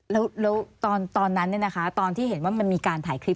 แล้วตอนนั้นตอนที่เห็นว่ามันมีการถ่ายคลิป